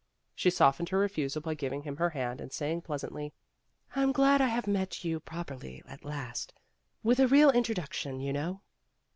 She softened her refusal by giving him her hand and saying pleasantly, "I'm glad to have met you prop erly at last, with a real introduction, you know.